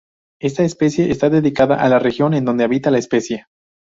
Esta especie es dedicada a la región en donde habita la especie.